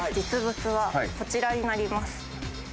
実物はこちらになります。